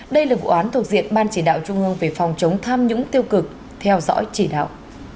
đây là vụ án thuộc diện ban chỉ đạo trung ương về phòng chống tham nhũng tiêu cực theo dõi chỉ đạo